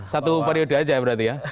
satu periode aja ya berarti ya